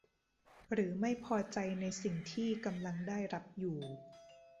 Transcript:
หรือไม่พอใจในสิ่งที่กำลังได้รับอยู่